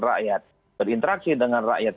rakyat berinteraksi dengan rakyat